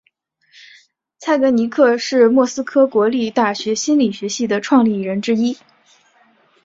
蔡格尼克是莫斯科国立大学心理学系的创立人之一。